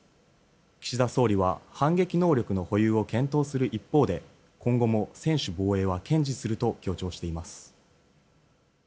岸田総理は反撃能力の保有を検討する一方で今後も専守防衛は堅持すると強調しています。